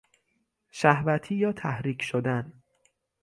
شهوتی یا تحریک شدن